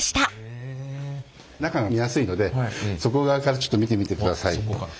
中が見やすいので底側からちょっと見てみてください。